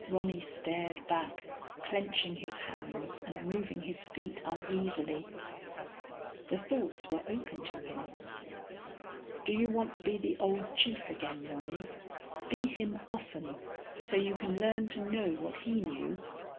Ronny stared back, clenching his hands and moving his feet uneasily. The thoughts were open to him. _Do you want to be the old chief again, Ronny? Be him often, so you can learn to know what he knew?